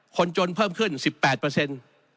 คนจนเพิ่มขึ้น๑๘